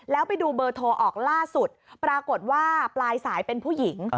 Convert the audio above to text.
แล้วไปดูเบอร์โทรออกล่าสุดปรากฏว่าปลายสายเป็นผู้หญิง